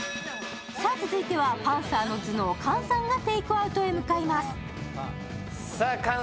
続いては、パンサーの頭脳、菅さんがテークアウトに向かいます。